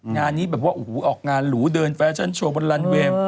งานนี้แบบว่าโอ้โหออกงานหรูเดินแฟชั่นโชว์บนลันเวย์